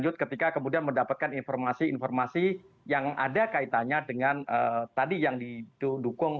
lanjut ketika kemudian mendapatkan informasi informasi yang ada kaitannya dengan tadi yang didukung